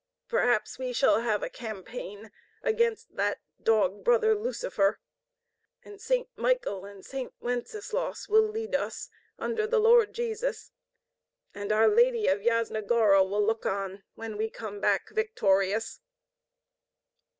"Perhaps we shall have a campaign against that dog brother Lucifer, and Saint Michael and Saint Wenceslaus will lead us under the Lord Jesus; and our Lady of Yasna Gora will look on when we come back victorious!"